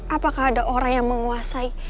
apakah ada orang yang menguasai